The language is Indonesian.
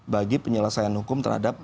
bagi penyelesaian hukum terhadap